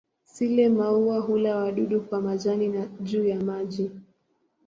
Sile-maua hula wadudu kwa majani na juu ya maji.